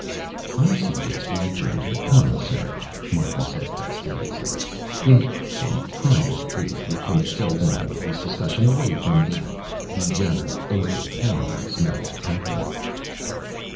"I suggest we adjourn to the commissary," Martin said fastidiously. "In some private booth we can go on with this discussion away from the the rather overpowering smell of peppermint."